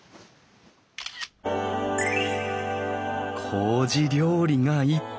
こうじ料理がいっぱい！